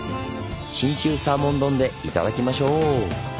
信州サーモン丼で頂きましょう！